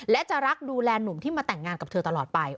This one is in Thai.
และจะรักดูแลหนุ่มที่มาแต่งงานกับเธอตลอดไป